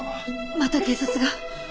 また警察が。